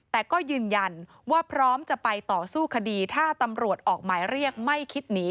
แต่ก็ยืนยันว่าพร้อมจะไปต่อสู้คดีถ้าตำรวจออกหมายเรียกไม่คิดหนี